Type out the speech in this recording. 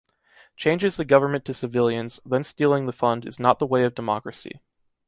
Changes the government to civilians, then stealing the fund is not the way of democracy.